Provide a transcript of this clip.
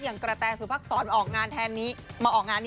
อย่างกระแทนสุภักษณ์ออกงานนี้แทนครับ